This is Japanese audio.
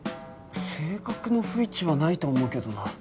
性格の不一致はないと思うけどな。